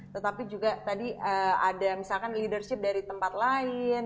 tetapi juga tadi ada misalkan leadership dari tempat lain